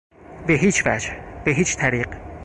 به هیچ وجه، به هیچ طریق